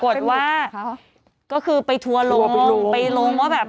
คือถ้าเซื้อตัวใหญ่มันมันจะเป็น